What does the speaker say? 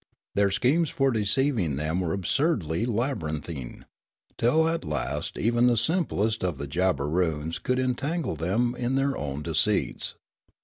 Their schemes for deceiving them were absurdly laby rinthine, till at last even the simplest of the Jabberoons could entangle them in their own deceits.